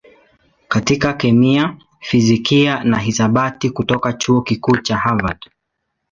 katika kemia, fizikia na hisabati kutoka Chuo Kikuu cha Harvard.